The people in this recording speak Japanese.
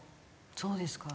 そうですか。